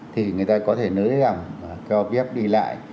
thì người ta có thể nới gặp cho phép đi lại